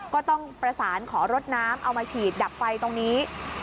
ก็ต้องประสานขอรถน้ำเอามาฉีดดับไฟตรงนี้